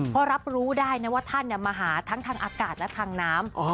เพราะรับรู้ได้นะว่าท่านมาหาทั้งทางอากาศและทางน้ำ